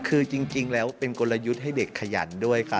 คือจริงแล้วเป็นกลยุทธ์ให้เด็กขยันด้วยค่ะ